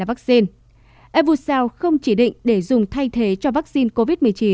thuốc evucel không chỉ định để dùng thay thế cho vaccine covid một mươi chín